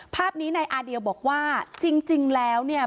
ภาพนี้นายอาเดียวบอกว่าจริงแล้วเนี่ย